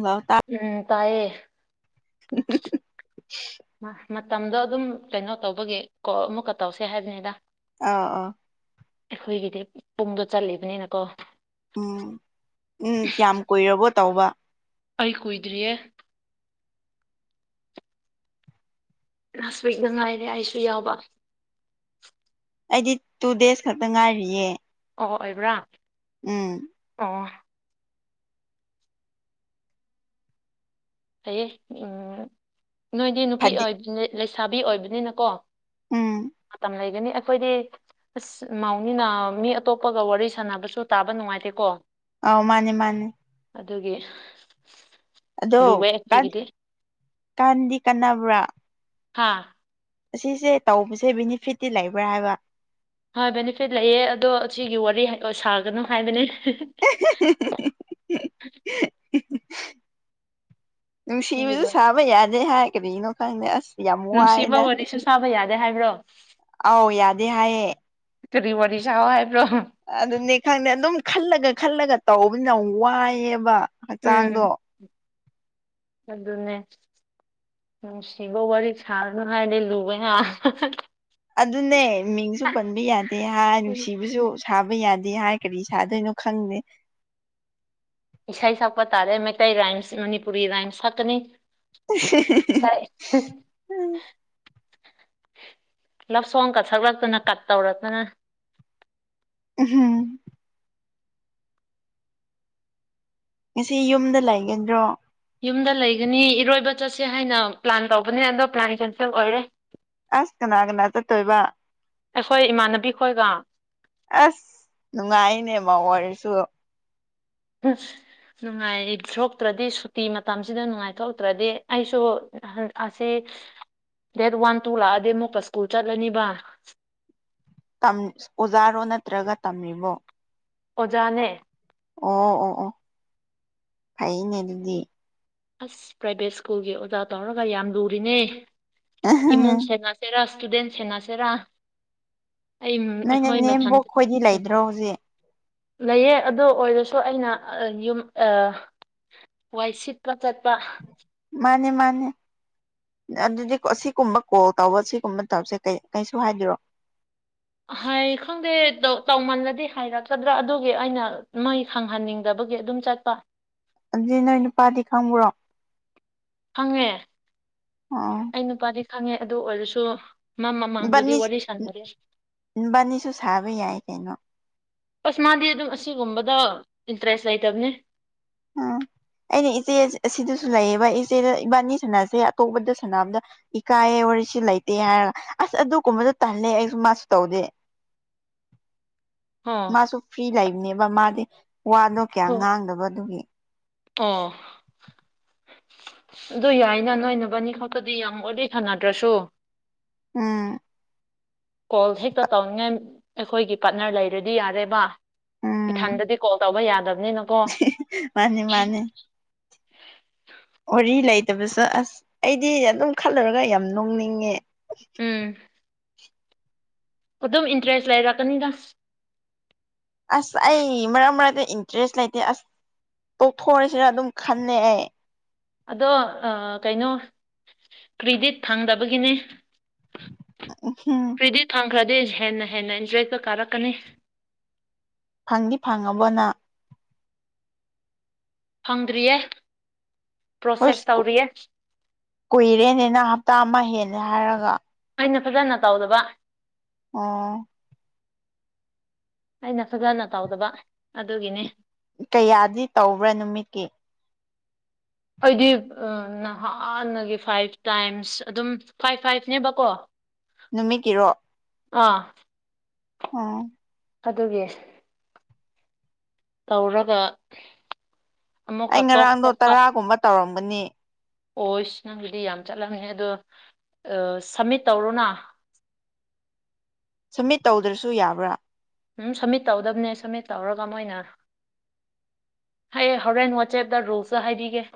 ꯃꯄꯥ ꯎꯝ ꯇꯥꯏꯌꯦ [unintelligible] ꯃꯇꯝꯗꯣ ꯑꯗꯨꯝ ꯀꯩꯅꯣ ꯇꯧꯕꯒꯤ ꯀꯣꯜ ꯑꯃꯨꯛꯀ ꯇꯧꯁꯦ ꯍꯥꯏꯕꯅꯤꯗ ꯑꯥ ꯑꯥ ꯑꯩꯈꯣꯏꯒꯤꯗꯤ ꯄꯨꯡꯗꯣ ꯆꯠꯂꯤꯕꯅꯤꯅꯀꯣ ꯎꯝ ꯎꯝ ꯀꯌꯥꯝ ꯀꯨꯏꯔꯕꯣ ꯇꯧꯕ ꯑꯩ ꯀꯨꯏꯗ꯭ꯔꯤꯌꯦ ꯅꯥꯁ ꯋꯤꯛꯅ ꯉꯥꯏꯔꯤ ꯑꯩꯁꯨ ꯌꯥꯎꯕ ꯑꯩꯗꯤ ꯇꯨ ꯗꯦꯖ ꯈꯛꯇ ꯉꯥꯏꯔꯤꯌꯦ ꯑꯣ ꯑꯣꯏꯕ꯭ꯔꯥ ꯎꯝ ꯑꯣ ꯐꯩꯌꯦ ꯎꯝ ꯅꯣꯏꯗꯤ ꯅꯨꯄꯤ ꯐꯗꯤ ꯑꯣꯏ ꯂꯩꯁꯥꯕꯤ ꯑꯣꯏꯕꯅꯤꯅꯀꯣ ꯎꯝ ꯃꯇꯝ ꯂꯩꯒꯅꯤ ꯑꯩꯈꯣꯏꯗꯤ ꯑꯁ ꯃꯥꯎꯅꯤꯅ ꯃꯤ ꯑꯇꯣꯞꯄꯒ ꯋꯥꯔꯤ ꯁꯥꯟꯅꯕꯁꯨ ꯇꯥꯕ ꯅꯨꯡꯉꯥꯏꯇꯦꯀꯣ ꯑ ꯃꯥꯅꯦ ꯃꯥꯅꯦ ꯑꯗꯨꯒꯤ ꯑꯗꯣ ꯂꯨꯋꯦ ꯀꯥꯟ ꯑꯩꯈꯣꯏꯒꯤꯗꯤ ꯀꯥꯟꯗꯤ ꯀꯥꯟꯅꯕ꯭ꯔꯥ ꯍꯥꯥ ꯑꯁꯤꯁꯦ ꯇꯧꯕꯁꯦ ꯕꯤꯅꯤꯐꯤꯠꯇꯤ ꯂꯩꯕ꯭ꯔꯥ ꯍꯥꯏꯕ ꯍꯣꯏ ꯕꯦꯅꯤꯐꯤꯠ ꯂꯩꯌꯦ ꯑꯗꯣ ꯁꯤꯒꯤ ꯋꯥꯔꯤ ꯁꯥꯒꯅꯨ ꯍꯥꯏꯕꯅꯦ [unintelligible] ꯁꯤꯒꯤ ꯅꯨꯡꯁꯤꯕꯁꯨ ꯋꯥꯔꯤ ꯁꯥꯕ ꯌꯥꯗꯦ ꯍꯥꯏ ꯀꯔꯤꯒꯤꯅꯣ ꯈꯪꯗꯦ ꯑꯁ ꯌꯥꯝ ꯅꯨꯡꯁꯤꯕ ꯋꯥꯏꯗ ꯋꯥꯔꯤꯁꯨ ꯁꯥꯕ ꯌꯥꯗꯦ ꯍꯥꯏꯕ꯭ꯔꯣ ꯑꯧ ꯌꯥꯗꯦ ꯍꯥꯏꯌꯦ ꯀꯔꯤ ꯋꯥꯔꯤ ꯁꯥꯎ ꯍꯥꯏꯕ꯭ꯔꯣ ꯑꯗꯨꯅꯦ ꯈꯪꯗꯦ ꯑꯗꯨꯝ ꯈꯜꯂꯒ ꯈꯜꯂꯒ ꯇꯧꯕꯅ ꯌꯥꯝ ꯋꯥꯏꯑꯦꯕ ꯎꯝ ꯍꯛꯆꯥꯡꯗꯣ ꯑꯗꯨꯅꯦ ꯎꯝ ꯅꯨꯡꯁꯤꯕ ꯋꯥꯔꯤ ꯁꯥꯒꯅꯨ ꯍꯥꯏꯔꯗꯤ ꯂꯨꯢꯍꯥ ꯑꯗꯨꯅꯦ ꯃꯤꯡꯁꯨ ꯄꯟꯕ ꯌꯥꯗꯦ ꯍꯥꯏ ꯅꯨꯡꯁꯤꯕꯁꯨ ꯁꯥꯥꯕ ꯌꯥꯗꯦ ꯍꯥꯏ ꯀꯔꯤ ꯁꯥꯗꯣꯏꯅꯣ ꯈꯪꯗꯦ ꯏꯁꯩ ꯁꯛꯄ ꯇꯥꯔꯦ ꯃꯩꯇꯩ ꯔꯥꯏꯝꯁ ꯃꯅꯤꯄꯨꯔꯤ ꯔꯥꯏꯝꯁ ꯁꯛꯀꯅꯤ ꯁꯩ ꯍ [unintelligible] ꯂꯥꯞ ꯁꯣꯡꯒ ꯁꯛꯂꯛꯇꯅ ꯀꯠ ꯇꯧꯔꯛꯇꯅ ꯎꯝꯍꯨꯝ ꯉꯁꯤ ꯌꯨꯝꯗ ꯂꯩꯒꯗ꯭ꯔꯣ ꯌꯨꯝꯗ ꯂꯩꯒꯅꯤ ꯏꯔꯣꯏꯕ ꯆꯠꯁꯦ ꯍꯥꯏꯅ ꯄ꯭ꯂꯥꯟ ꯇꯧꯕꯅꯦ ꯑꯗꯣ ꯄ꯭ꯂꯥꯟ ꯀꯦꯟꯁꯦꯜ ꯑꯣꯏꯔꯦ ꯑꯁ ꯀꯅꯥ ꯀꯅꯥ ꯆꯠꯇꯣꯏꯕ ꯑꯩꯈꯣꯏ ꯏꯃꯥꯟꯅꯕꯤ ꯈꯣꯏꯒ ꯑꯁ ꯅꯨꯡꯉꯥꯏꯅꯦ ꯃꯧ ꯑꯣꯏꯔꯁꯨ ꯅꯨꯡꯉꯥꯏꯊꯣꯛꯇ꯭ꯔꯗꯤ ꯁꯨꯇꯤ ꯃꯇꯝꯁꯤꯗ ꯅꯨꯡꯉꯥꯏꯊꯣꯛꯇ꯭ꯔꯗꯤ ꯑꯩꯁꯨ ꯑꯁꯤꯁ ꯗꯦꯠ ꯋꯥꯟ ꯇꯨ ꯂꯥꯛꯑꯗꯤ ꯑꯃꯨꯛꯀ ꯁ꯭ꯀꯨꯜ ꯆꯠꯂꯅꯤꯕ ꯑꯣꯖꯥꯔꯣ ꯅꯠꯇ꯭ꯔꯒ ꯇꯝꯃꯤꯕꯣ ꯑꯣꯖꯥꯅꯦ ꯑꯣ ꯑꯣ ꯑꯣ ꯐꯩꯅꯦ ꯑꯗꯨꯗꯤ ꯑꯁ ꯄ꯭ꯔꯥꯏꯚꯦꯠ ꯁ꯭ꯀꯨꯜꯒꯤ ꯑꯣꯖꯥ ꯇꯧꯔꯒ ꯌꯥꯝ ꯂꯨꯔꯤꯅꯦ ꯏꯃꯨꯡ ꯁ ꯆꯦꯔ ꯁꯇꯨꯗꯦꯟ ꯁꯦꯟꯅꯁꯤꯔꯥ ꯅꯣꯏ ꯅꯦꯝꯕꯣꯛ ꯃꯊꯟꯇ ꯈꯣꯏꯗꯤ ꯂꯩꯗ꯭ꯔꯣ ꯍꯧꯖꯤꯛ ꯂꯩꯌꯦ ꯑꯗꯨ ꯑꯣꯏꯔꯁꯨ ꯑꯩꯅ ꯌꯨꯝ ꯑꯥ ꯋꯥꯏꯁꯤꯠ ꯆꯠ ꯆꯠꯄ ꯃꯥꯅꯦ ꯃꯥꯅꯦ ꯑꯗꯨꯗꯤ ꯑꯁꯤꯒꯨꯝꯕ ꯀꯣꯜ ꯇꯧꯕ ꯁꯤꯒꯨꯝꯕ ꯇꯧꯁꯦ ꯀꯩꯁꯨ ꯍꯥꯏꯕꯤꯔꯣ ꯍꯥꯏ ꯈꯪꯗꯦ ꯇꯧꯃꯜꯂꯗꯤ ꯍꯥꯏꯔꯛꯀꯗ꯭ꯔꯥ ꯑꯗꯨꯒꯤ ꯑꯩꯅ ꯃꯩ ꯈꯪꯍꯟꯅꯤꯡꯗꯕꯒꯤ ꯑꯗꯨꯝ ꯆꯠꯄ ꯑꯗꯨꯗꯤ ꯅꯣꯏ ꯅꯨꯄꯥꯗꯤ ꯈꯪꯕ꯭ꯔꯣ ꯈꯪꯉꯦ ꯑꯥ ꯑꯩ ꯅꯨꯄꯥꯗꯤ ꯈꯪꯉꯦ ꯑꯗꯨ ꯑꯣꯏꯔꯁꯨ ꯃꯥ ꯃꯃꯥꯡꯗꯗꯤ ꯕꯥꯅꯤ ꯋꯥꯔꯤ ꯁꯥꯟꯅꯗꯦ ꯏꯕꯥꯅꯤꯁꯨ ꯁꯥꯕ ꯌꯥꯏ ꯀꯩꯅꯣ ꯑꯁ ꯃꯥꯗꯤ ꯑꯗꯨꯝ ꯑꯁꯤꯒꯨꯝꯕꯗ ꯏꯟꯇꯔꯦꯁ ꯂꯩꯇꯕꯅꯤ ꯎꯝ ꯑꯩꯅ ꯏꯆꯦ ꯑꯁꯤꯗꯁꯨ ꯂꯩꯌꯦꯕ ꯏꯆꯦꯗ ꯏꯕꯥꯅꯤ ꯁꯅꯁꯦ ꯑꯇꯣꯞꯄꯗ ꯁꯅꯥꯕꯗ ꯏꯀꯥꯏꯌꯦꯦ ꯋꯥꯔꯤꯁꯤ ꯂꯩꯇꯦ ꯍꯥꯏꯔꯒ ꯑꯁ ꯑꯗꯨꯒꯨꯝꯕꯗ ꯇꯜꯂꯦ ꯑꯩꯁꯨ ꯃꯥꯁꯨ ꯇꯧꯗꯦ ꯑꯣ ꯃꯥꯁꯨ ꯐ꯭ꯔꯤ ꯂꯩꯕꯅꯦꯕ ꯃꯥꯗꯤ ꯋꯥꯗꯣ ꯀꯌꯥ ꯑꯣ ꯉꯥꯡꯗꯕ ꯑꯗꯨꯒꯤ ꯑꯣ ꯑꯗꯨ ꯌꯥꯏꯅ ꯅꯣꯏꯅꯕꯥꯅꯤ ꯈꯛꯇꯗꯤ ꯌꯥꯝ ꯋꯥꯔꯤ ꯥꯁꯥꯟꯅꯗ꯭ꯔꯁꯨ ꯎꯝ ꯀꯣꯜ ꯍꯦꯛꯇ ꯇꯧꯅꯤꯡꯉꯥꯏ ꯑꯩꯈꯣꯏꯒꯤ ꯄꯥꯠꯅꯔ ꯂꯩꯔꯗꯤ ꯌꯥꯔꯦꯕ ꯎꯝ ꯏꯊꯟꯗꯗꯤ ꯀꯣꯜ ꯇꯧꯕ ꯌꯥꯗꯕꯅꯤ ꯅ ꯀꯣ ꯃꯥꯅꯦ ꯃꯥꯅꯦ ꯋꯥꯔꯤ ꯂꯩꯇꯕꯁꯨ ꯑꯁ ꯑꯩꯗꯤ ꯑꯗꯨꯝ ꯈꯜꯂꯨꯔꯒ ꯌꯥꯝ ꯅꯣꯡꯅꯤꯡꯉꯦ ꯎꯝ ꯑꯗꯨꯝ ꯏꯟꯇꯔꯦꯁ ꯂꯩꯔꯛꯀꯅꯤꯗ ꯑꯁ ꯑꯩ ꯃꯔꯛ ꯃꯔꯛꯇ ꯏꯟꯇꯔꯦꯁ ꯂꯩꯇꯦ ꯑꯁ ꯇꯣꯛꯊꯣꯔꯑꯁꯤꯅ ꯑꯗꯨꯝ ꯈꯟꯅꯦ ꯑꯩ ꯑꯗꯣ ꯀꯩꯅꯣ ꯀ꯭ꯔꯤꯗꯤꯠ ꯐꯪꯗꯕꯒꯤꯅꯦ ꯑꯝꯍꯝ ꯐ꯭ꯔꯤꯗꯤ ꯐꯡꯈ꯭ꯔꯗꯤ ꯍꯦꯟꯅ ꯍꯦꯟꯅ ꯏꯟꯇꯔꯦꯁꯇ ꯀꯥꯔꯛꯀꯅꯤ ꯐꯪꯗꯤ ꯐꯪꯉꯕꯣ ꯅ ꯐꯪꯗ꯭ꯔꯤꯌꯦ ꯍꯣꯏ ꯄ꯭ꯔꯣꯁꯦꯁ ꯇꯧꯔꯤꯌꯦ ꯀꯨꯏꯔꯦꯅꯤꯅ ꯍꯞꯇꯥ ꯑꯃ ꯍꯦꯜꯂꯦ ꯍꯥꯏꯔꯒ ꯑꯩꯅ ꯐꯖꯅ ꯇꯧꯗꯕ ꯑꯣ ꯑꯩꯅ ꯐꯖꯅ ꯇꯧꯗꯕ ꯑꯗꯨꯒꯤꯅꯤ ꯀꯌꯥꯗꯤ ꯇꯧꯕ꯭ꯔꯥ ꯅꯨꯃꯤꯠꯀꯤ ꯑꯩꯗꯤ ꯅꯍꯥꯟꯅꯒꯤ ꯐꯥꯏꯚ ꯇꯥꯏꯝꯁ ꯑꯗꯨꯝ ꯐꯥꯏꯚ ꯐꯥꯏꯚꯅꯦꯕꯀꯣ ꯅꯨꯃꯤꯠꯀꯤꯔꯣ ꯑꯥ ꯎꯝ ꯑꯗꯨꯒꯤ ꯇꯧꯔꯒ ꯑꯃꯨꯛꯀ ꯑꯩ ꯉꯔꯥꯡꯗꯣ ꯇꯣꯛꯊꯣꯛꯄ ꯇꯔꯥꯒꯨꯝꯕ ꯇꯧꯔꯝꯒꯅꯤ ꯑꯣꯁ ꯅꯪꯒꯤꯗꯤ ꯌꯥꯝ ꯆꯠꯂꯝꯅꯤ ꯑꯗꯣ ꯁꯝꯃꯤꯠ ꯇꯧꯔꯣꯅ ꯁꯝꯃꯤꯠ ꯇꯧꯗ꯭ꯔꯁꯨ ꯌꯥꯕ꯭ꯔꯥ ꯎꯝ ꯁꯝꯃꯤꯠ ꯇꯧꯗꯕꯅꯦ ꯁꯃꯤꯠ ꯇꯧꯔꯒ ꯃꯣꯏꯅ ꯍꯌꯦ ꯍꯣꯔꯦꯟ ꯋꯥꯆꯦꯞꯇ ꯔꯣꯜꯁꯨ ꯍꯥꯏꯕꯤꯒꯦ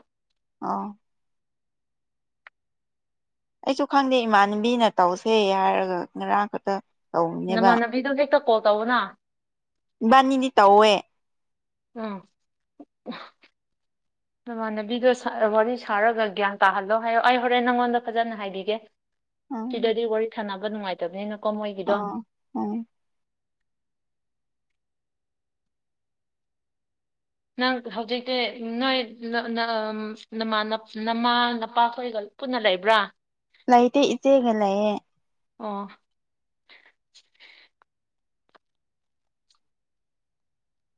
[unintelligible] ꯑꯩꯁꯨ ꯈꯪꯗꯦ ꯏꯃꯥꯟꯅꯕꯤꯅ ꯇꯧꯁꯦ ꯍꯥꯏꯔꯒ ꯉꯔꯥꯡ ꯈꯛꯇ ꯇꯧꯕꯅꯦꯕ ꯅꯃꯥꯟꯅꯕꯤꯗꯣ ꯍꯦꯛꯇ ꯀꯣꯜ ꯇꯧꯕꯅ ꯏꯕꯥꯅꯤꯗꯤ ꯇꯧꯋꯦ ꯑꯝ [unintelligible] ꯅꯃꯥꯟꯅꯕꯤꯗꯣ ꯋꯥꯔꯤ ꯁꯥꯔꯒ ꯒ꯭ꯌꯥꯟ ꯇꯥꯍꯜꯂꯣ ꯍꯥꯏꯌꯣ ꯑꯩ ꯍꯣꯔꯦꯟ ꯅꯪꯉꯣꯟꯗ ꯐꯖꯅ ꯍꯥꯏꯕꯤꯒꯦ [unintelligible] ꯁꯤꯗꯗꯤ ꯋꯥꯔꯤ ꯁꯥꯟꯅꯕ ꯅꯨꯡꯉꯥꯏꯇꯕꯅꯤꯅꯀꯣ ꯃꯣꯏꯒꯤꯗꯣ ꯑꯣ ꯎꯝ ꯅꯪ ꯍꯧꯖꯤꯛꯇꯤ ꯅꯣꯏ ꯅ ꯅꯃꯥ ꯅꯄꯥꯈꯣꯏꯒ ꯄꯨꯟꯅ ꯂꯩꯕ꯭ꯔꯥ ꯂꯥꯏꯇꯦ ꯏꯆꯦꯒ ꯂꯩꯌꯦ ꯑꯣ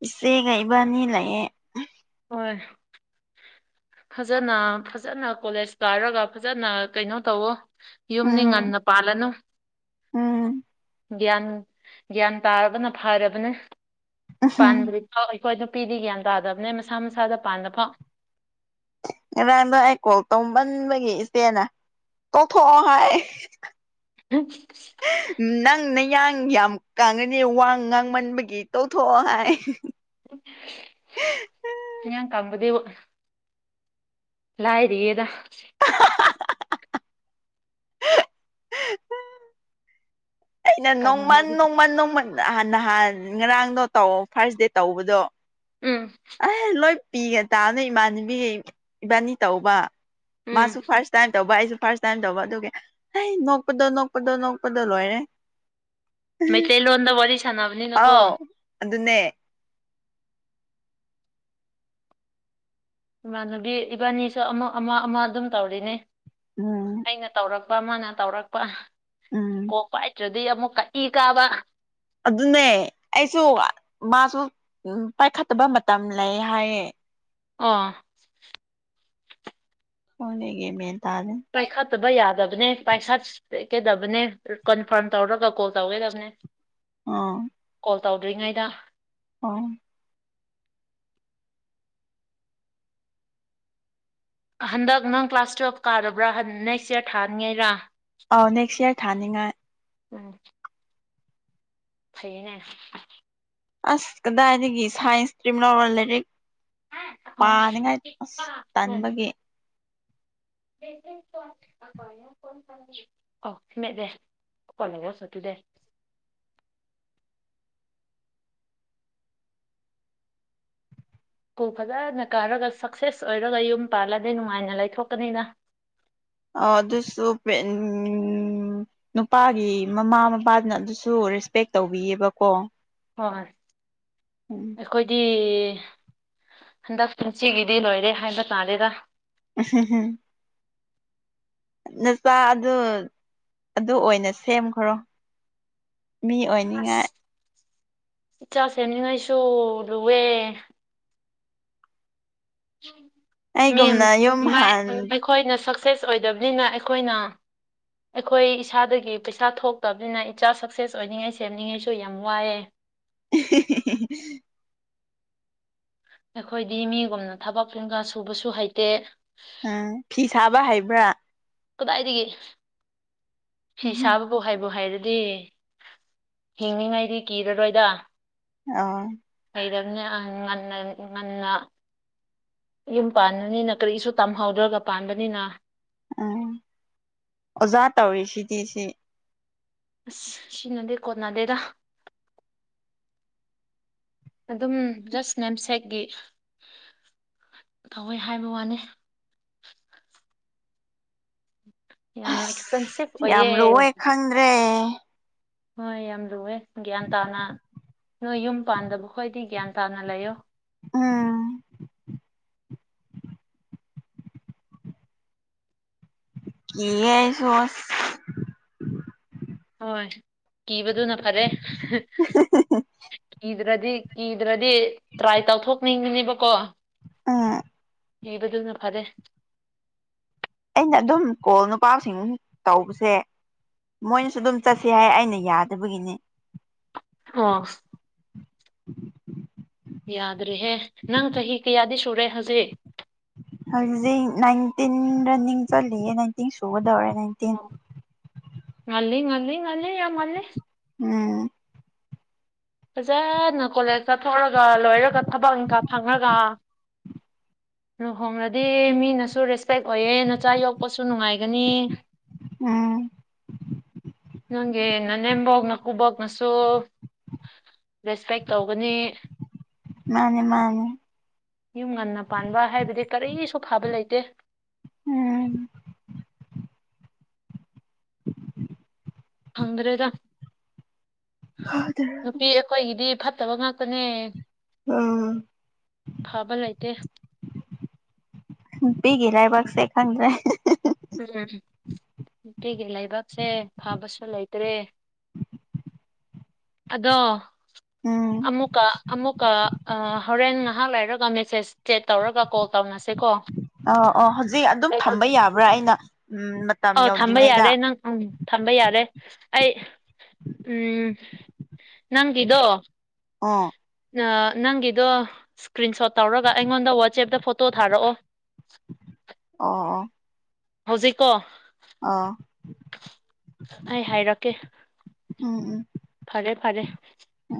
ꯏꯆꯦꯒ ꯏꯕꯥꯅꯤ ꯂꯩꯌꯦ ꯍꯣꯏ ꯐꯖꯅ ꯐꯖꯅ ꯀꯣꯂꯦꯖ ꯀꯥꯔꯒ ꯐꯖꯅ ꯀꯩꯅꯣ ꯇꯧꯋꯣ ꯌꯨꯝꯗꯤ ꯎꯝ ꯉꯟꯅ ꯄꯥꯜꯂꯅꯨ ꯎꯝ ꯒ꯭ꯌꯥꯟ ꯒ꯭ꯌꯥꯟ ꯇꯥꯔꯒꯅ ꯐꯔꯕꯅꯦ ꯄꯥꯟꯗ꯭ꯔꯤ ꯑꯧ ꯑꯩꯈꯣꯏ ꯅꯨꯄꯤꯗꯤ ꯒ꯭ꯌꯥꯟ ꯇꯥꯗꯕꯅꯦ ꯃꯁꯥ ꯃꯁꯥꯗ ꯄꯥꯟꯗ ꯐꯥꯎ ꯉꯔꯥꯡꯗꯣ ꯑꯩ ꯀꯣꯜ ꯇꯧꯃꯟꯕꯒꯤ ꯏꯆꯦꯅ ꯇꯣꯛꯊꯣꯛꯑꯣ ꯍꯥꯏ [unintelligible] ꯅꯪ ꯅꯌꯥꯡ ꯌꯥꯝ ꯀꯥꯡꯉꯅꯤ ꯋꯥ ꯉꯥꯡꯃꯟꯕꯒꯤ ꯇꯣꯛꯊꯣꯛꯑꯣ ꯍꯥꯏ ꯅꯌꯥꯝ ꯀꯪꯕꯗꯤꯎ ꯂꯥꯏꯔꯤꯌꯦꯗ ꯑꯩꯅ ꯅꯣꯡꯃꯟ ꯀꯪꯉꯝꯃꯗꯤ ꯅꯣꯡꯃꯟ ꯅꯣꯡꯃꯟ ꯑꯍꯥꯟ ꯅꯍꯥꯟ ꯉꯔꯥꯡꯗꯣ ꯇꯧ ꯐꯥꯔꯁꯗꯦ ꯇꯧꯕꯗꯣ ꯎꯝ ꯑꯦꯍ ꯂꯣꯏ ꯄꯤꯒꯦ ꯇꯥꯞꯅꯤ ꯏꯃꯥꯟꯅꯕꯤꯒꯩ ꯏꯕꯥꯅꯤ ꯇꯧꯕ ꯎꯝ ꯃꯥꯁꯨ ꯐꯥꯔꯁ ꯇꯥꯏꯝ ꯇꯧꯕ ꯑꯩꯁꯨ ꯐꯥꯔꯁ ꯇꯥꯏꯝ ꯇꯧꯕ ꯑꯗꯨꯒꯤ ꯍꯩ ꯅꯣꯛꯄꯗꯣ ꯅꯣꯛꯄꯗꯣ ꯅꯣꯛꯄꯗꯣ ꯂꯣꯏꯔꯦ ꯃꯩꯇꯩꯂꯣꯟꯗ ꯋꯥꯔꯤ ꯁꯥꯟꯅꯕꯅꯤꯅꯀꯣ ꯑꯥꯎ ꯑꯗꯨꯅꯦ ꯏꯃꯥꯟꯅꯕꯤ ꯏꯕꯥꯅꯤꯁꯨ ꯑꯃ ꯑꯃ ꯑꯃ ꯑꯗꯨꯝ ꯇꯧꯔꯤꯅꯦ ꯎꯝ ꯑꯩꯅ ꯇꯧꯔꯛꯄ ꯑꯃꯅ ꯇꯧꯔꯛꯄ ꯎꯝ ꯀꯣꯛ ꯄꯥꯏꯗ꯭ꯔꯗꯤ ꯑꯃꯨꯛ ꯀꯛ ꯏ ꯀꯥꯕ ꯑꯗꯨꯅꯦ ꯑꯩꯁꯨ ꯃꯥꯁꯨ ꯄꯥꯏꯈꯠꯇꯕ ꯃꯇꯝ ꯂꯩ ꯍꯥꯢꯌꯦ ꯑꯣ ꯍꯣꯅꯦꯒꯤ ꯃꯦꯟ ꯇꯥꯗꯦ ꯄꯥꯏꯈꯠꯇꯕ ꯌꯥꯗꯕꯅꯦ ꯄꯥꯏꯈꯠꯀꯦꯗꯕꯅꯦ ꯀꯟꯐꯥꯔꯝ ꯇꯧꯔꯒ ꯀꯣꯜ ꯇꯧꯒꯗꯕꯅꯦ [unintelligible] ꯑꯣ ꯀꯣꯜ ꯇꯧꯗ꯭ꯔꯤꯉꯩꯗ ꯑꯣ ꯍꯟꯗꯛ ꯅꯪ ꯀ꯭ꯂꯥꯁ ꯇꯨꯌꯦꯜꯞ ꯀꯥꯔꯕ꯭ꯔꯥ ꯍꯟ ꯅꯦꯛꯁ ꯏꯌꯥꯔ ꯊꯥꯟꯉꯩꯔꯥ ꯑꯧ ꯅꯦꯛꯁ ꯌꯔ ꯊꯥꯅꯤꯡꯉꯥꯢ ꯎꯝ ꯐꯩꯌꯦꯅꯦ ꯑꯁ ꯀꯗꯥꯢꯗꯒꯤ ꯁꯥꯏꯟꯁ ꯏꯁꯇ꯭ꯔꯤꯝ ꯂꯧꯔ ꯂꯥꯢꯔꯤꯛ ꯎꯝ ꯄꯥꯅꯤꯡꯉꯥꯢ ꯑꯁ ꯇꯟꯕꯒꯤ ꯑꯣ ꯃꯦꯠꯂꯦ ꯀꯣꯠ ꯂꯦꯡꯒꯣꯢꯁ ꯗ ꯇꯨꯗꯦ ꯄꯨꯛ ꯐꯖꯅ ꯀꯥꯔꯒ ꯁꯛꯁꯦꯁ ꯑꯣꯏꯔꯒ ꯌꯨꯝ ꯄꯥꯜꯂꯗꯤ ꯅꯨꯡꯉꯥꯏꯅ ꯂꯩꯊꯣꯛꯀꯅꯤꯅ ꯑꯣ ꯑꯗꯨꯁꯨ ꯄ꯭ꯔꯦꯟ ꯅꯨꯄꯥꯒꯤ ꯃꯃꯥ ꯃꯄꯥꯗꯨꯅ ꯑꯗꯨꯁꯨ ꯔꯦꯁꯄꯦꯛ ꯇꯧꯕꯤꯌꯦꯕꯀꯣ ꯑꯣꯑꯥꯥꯟ ꯎꯝ ꯑꯩꯈꯣꯏꯗꯤ ꯍꯟꯗꯛ ꯄꯨꯟꯁꯤꯒꯤꯗꯤ ꯂꯣꯏꯔꯦ ꯍꯥꯏꯕ ꯇꯥꯔꯦꯗ ꯑꯦ ꯍꯦꯍꯦ ꯅꯆꯥ ꯑꯗꯨ ꯑꯗꯨ ꯑꯣꯏꯅ ꯁꯦꯝꯈ꯭ꯔꯣ ꯃꯤ ꯑꯁ ꯑꯣꯏꯅꯤꯡꯉꯥꯏ ꯏꯆꯥ ꯁꯦꯝꯅꯤꯉꯥꯏꯁꯨ ꯂꯨꯋꯦ ꯃꯤꯌꯝ ꯑꯩꯒꯨꯝꯅ ꯌꯨꯝ ꯃꯥꯢ ꯍꯥꯟ ꯑꯩꯈꯣꯢꯅ ꯁꯛꯁꯦꯁ ꯑꯣꯢꯗꯕꯅꯤꯅ ꯑꯩꯈꯣꯢꯅ ꯑꯩꯈꯣꯢ ꯏꯁꯥꯗꯒꯤ ꯄꯩꯁꯥ ꯊꯣꯛꯇꯕꯅꯤꯅ ꯏꯆꯥ ꯁꯛꯁꯦꯁ ꯑꯣꯢꯅꯤꯡꯉꯥꯢ ꯁꯦꯝꯅꯤꯡꯉꯥꯢꯁꯨ ꯌꯥꯝ ꯋꯥꯢꯌꯦ ꯑꯍꯦ ꯍꯦꯍꯦꯍꯦ ꯑꯈꯣꯏꯗꯤ ꯃꯤꯒꯨꯝꯅ ꯊꯕꯛ ꯄꯨꯡꯒ ꯁꯨꯕꯁꯨ ꯍꯩꯇꯦ ꯑꯥ ꯐꯤ ꯁꯥꯕ ꯍꯩꯕ꯭ꯔꯥ ꯀꯗꯥꯏꯗꯒꯤ ꯐꯤ ꯁꯥꯕ ꯕꯨ ꯍꯩꯕꯨ ꯍꯩꯔꯗꯤ ꯍꯤꯡꯅꯤꯡꯉꯥꯏꯗꯤ ꯀꯤꯔꯔꯣꯏꯗ ꯑꫭ ꯍꯩꯔꯝꯅꯦ ꯑ ꯉꯟꯅꯥ ꯉꯟꯅꯥ ꯌꯨꯝ ꯄꯥꯟꯕꯅꯤꯅ ꯀꯔꯤꯁꯨ ꯇꯝꯍꯧꯗ꯭ꯔꯥꯒ ꯄꯥꯟꯕꯅꯤꯅ ꯑꯥ ꯑꯣꯖꯥ ꯇꯧꯔꯤꯁꯤꯗꯤ ꯁꯤ ꯑꯁ ꯁꯤꯅꯗꯤ ꯀꯣꯟꯅꯗꯦꯗ ꯑꯗꯨꯝ ꯖꯁ꯭ꯠ ꯅꯦꯝꯁꯦꯛꯀꯤ ꯊꯧꯋꯦ ꯍꯥꯏꯕ ꯋꯥꯅꯦ ꯌꯥꯝ ꯑꯁ ꯑꯦꯛꯁꯄꯦꯟꯁꯤꯚ ꯌꯥꯝ ꯑꯣꯏꯌꯦ ꯂꯨꯋꯦ ꯈꯪꯗ꯭ꯔꯦ꯫ ꯍꯣꯏ ꯌꯥꯝ ꯂꯨꯋꯦ ꯒ꯭ꯌꯥꯟ ꯇꯥꯅ ꯅꯣꯏ ꯌꯨꯝ ꯄꯥꯟꯗꯕ ꯈꯣꯏꯗꯤ ꯒ꯭ꯌꯥꯟ ꯇꯥꯅ ꯂꯩꯌꯣ ꯎꯝ꯫ ꯀꯤꯌꯦ ꯑꯩꯁꯨ ꯑꯁ ꯍꯣꯏ ꯀꯤꯕꯗꯨꯅ ꯐꯔꯦ ꯀꯤ ꯗ꯭ꯔꯥꯗꯤ ꯀꯤꯗ꯭ꯔꯥꯗꯤ ꯇ꯭ꯔꯥꯏ ꯇꯧꯊꯣꯛꯅꯤꯡꯕꯅꯦꯕꯀꯣ ꯎꯝ꯫ ꯏꯕꯥꯗꯨꯅ ꯐꯥꯔꯦ ꯑꯩꯅ ꯑꯗꯨꯝ ꯀꯣꯜ ꯅꯨꯄꯥꯁꯤꯡ ꯇꯧꯕꯁꯦ ꯃꯣꯏꯅꯁꯨ ꯑꯗꯨꯝ ꯆꯠꯁꯤ ꯍꯥꯏ ꯑꯩꯅ ꯌꯥꯗꯕꯒꯤꯅꯦ [unintelligible] [inaudible] ꯌꯥꯗ꯭ꯔꯦꯍꯦ ꯅꯪ ꯆꯍꯤ ꯀꯌꯥꯗꯤ ꯁꯨꯔꯦ ꯍꯧꯖꯤꯛ ꯍꯧꯖꯤꯛ ꯅꯥꯏꯟꯇꯤꯟ ꯔꯟꯅꯤꯡ ꯆꯠꯂꯤꯌꯦ ꯅꯥꯏꯟꯇꯤꯟ ꯁꯨꯒꯗꯧꯔꯦ ꯅꯥꯏꯟ ꯎꯃꫭꯔꫭꯛ ꯃꯍꯤ ꯉꯥꯟꯂꯤ ꯉꯥꯟꯂꯤ ꯉꯥꯟꯂꯤ ꯌꯥꯝ ꯉꯥꯟꯂꯤ ꯎꯝ꯫ ꯐꯖꯅꯥ ꯀꯣꯂꯦꯖ ꯆꯠꯊꯣꯛꯔꯒ ꯂꯣꯏꯔꯒ ꯊꯕꯛ ꯏꯪꯀ ꯐꯪꯉꯒ ꯂꯨꯍꯣꯡꯂꯗꯤ ꯃꯤꯅꯁꯨ ꯔꯦꯁꯄꯦꯛ ꯑꯣꯏꯑꯦ ꯅꯆꯥ ꯌꯣꯛꯄꯁꯨ ꯅꯨꯡꯉꯥꯏꯒꯅꯤ ꯎꯝ꯫ ꯅꯪꯒꯤ ꯅꯥꯅꯦꯕꫭꯛ ꯅꯥꯀꯨꯕꫭꯛꯅꯁꯨ ꯔꯦꯁꯄꯦꯛ ꯇꯧꯒꯅꯤ ꯃꯥꯅꯦ ꯃꯥꯅꯦ ꯌꯨꯝ ꯉꯟꯅꯥ ꯄꯥꯟꯕ ꯍꯥꯏꯕꯗꯤ ꯀꯔꯤꯁꯨ ꯐꯥꯕ ꯂꯩꯇꯦ꯫ ꯎꯝ꯫ ꯐꯪꯗ꯭ꯔꯦꯗꯥ ꯍꯥꯏꯗꯦ ꯗꯤ ꯑꯩꯈꯣꯏꯒꯤꯗꯤ ꯐꯠꯇꯕ ꯉꯥꯛꯇꯅꯦ ꯎꯝ ꯐꯥꯕ ꯂꯩꯇꯦ꯫ ꯅꯨꯄꯤꯒꯤ ꯂꯩꯕꯥꯛ ꯁꯦ ꯈꯪꯗ꯭ꯔꯦ꯫ [unintelligible] ꯅꯨꯄꯤꯒꯤ ꯂꯩꯕꯥꯛꯁꯦ ꯐꯥꯕꯁꯨ ꯂꯩꯇ꯭ꯔꯦ꯫ ꯑꯗꯣ ꯎꯝ ꯑꯃꯨꯛꯀ ꯑꯃꯨꯛ ꯀꯥ ꯑ ꯍꯣꯔꯦꯟ ꯉꯍꯥꯛ ꯂꯩꯔꯒ ꯃꯦꯁꯦꯁ ꯆꯦꯠ ꯇꯧꯔꯒ ꯀꯣꯜ ꯇꯧꯅꯁꯦ ꯀꯣ ꯑ ꯑ ꯍꯧꯖꯤꯛ ꯑꯗꯨꯝ ꯊꯥꯝꯕ ꯌꯥꯕ꯭ꯔꯥ ꯑꯩꯅ ꯎꯝ ꯃꯥ ꯑꯥꯎ ꯊꯥꯝꯕ ꯌꯥꯔꯦ ꯅꯪ ꯎꯝ ꯊꯥꯝꯕ ꯌꯥꯔꯦ ꯑꯩ ꯎꯝ ꯅꯪꯒꯤꯗꯣ ꯑꯥ ꯑꯥ ꯅꯪꯒꯤꯗꯣ ꯁ꯭ꯀ꯭ꯔꯤꯟ ꯁꯣꯠ ꯇꯧꯔꯒ ꯑꯩꯉꯣꯟꯗ ꯋꯥꯠꯁꯆꯦꯞꯇ ꯐꯣꯇꯣ ꯊꯥꯔꯛꯑꯣ ꯑꯣ ꯑꯣ ꯍꯧꯖꯤꯛꯀꯣ ꯑꯥ ꯑꯩ ꯍꯥꯏꯔꯛꯀꯦ ꯎꯝ ꯎꯝ ꯐꯔꯦ ꯐꯔꯦ ꯎꯝ